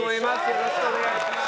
よろしくお願いします。